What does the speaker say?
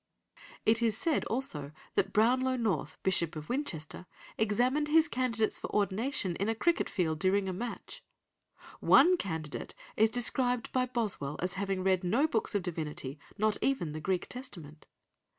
It is said also that Brownlow North, Bishop of Winchester, examined his candidates for ordination in a cricket field during a match. One candidate is described by Boswell as having read no books of divinity, not even the Greek Testament.